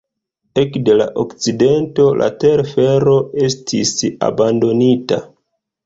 Ekde la akcidento la telfero estis abandonita.